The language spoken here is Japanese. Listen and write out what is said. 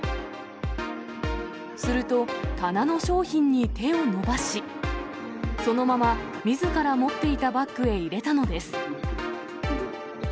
すると、棚の商品に手を伸ばし、そのまま、みずから持っていたバッグへ入れたのです。